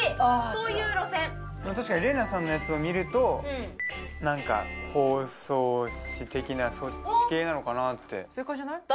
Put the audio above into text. そういう路線確かに麗菜さんのやつを見ると何か包装紙的なそっち系なのかなって正解じゃない？